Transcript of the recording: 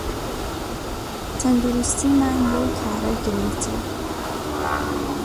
تەندروستیمان لەو کارە گرنگترە